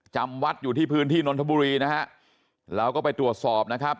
จำวัดอยู่ที่พื้นที่นนทบุรีนะฮะเราก็ไปตรวจสอบนะครับ